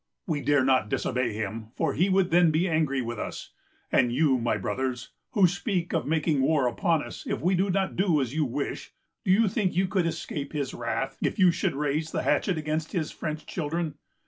We dare not disobey him, for he would then be angry with us. And you, my brothers, who speak of making war upon us if we do not do as you wish, do you think you could escape his wrath, if you should raise the hatchet against his French children?